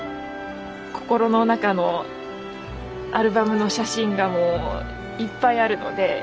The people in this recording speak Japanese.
心の中のアルバムの写真がもういっぱいあるので。